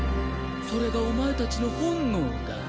それがお前たちの本能だ。